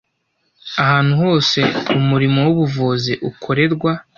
ahantu hose umurimo w’ubuvuzi ukorerwa